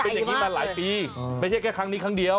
เป็นอย่างนี้มาหลายปีไม่ใช่แค่ครั้งนี้ครั้งเดียว